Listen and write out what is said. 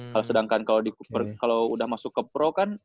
kalau sedangkan kalau sudah masuk ke pro kan